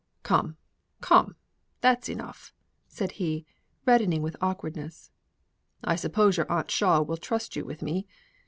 "Come, come; that's enough," said he, reddening with awkwardness. "I suppose your aunt Shaw will trust you with me.